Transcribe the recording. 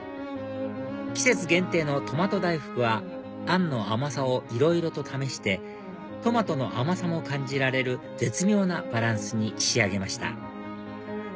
季節限定のとまと大福はあんの甘さをいろいろと試してトマトの甘さも感じられる絶妙なバランスに仕上げました